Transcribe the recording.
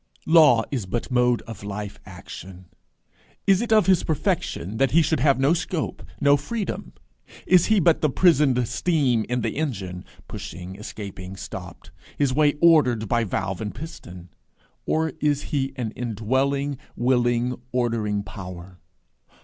Law is but mode of life action. Is it of his perfection that he should have no scope, no freedom? Is he but the prisoned steam in the engine, pushing, escaping, stopped his way ordered by valve and piston? or is he an indwelling, willing, ordering power?